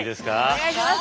お願いします。